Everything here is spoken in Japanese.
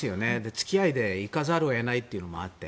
付き合いで行かざるを得ないというのもあって。